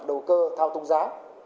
đầu cơ thao tung giá